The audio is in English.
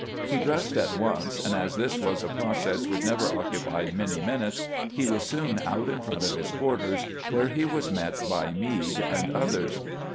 He dressed at once, and as this was a process which never occupied many minutes, he was soon out in front of his quarters, where he was met by Meade and others.